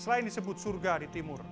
selain disebut surga di timur